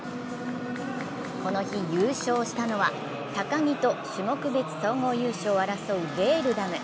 この日、優勝したのは高木と種目別総合優勝を争うレールダム。